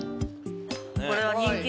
これは人気ね